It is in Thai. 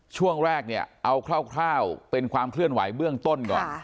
ช่วงแรกเนี่ยเอาคร่าวเป็นความเคลื่อนไหวเบื้องต้นก่อน